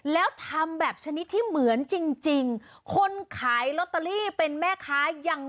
แล้วทำแบบชนิดที่เหมือนจริง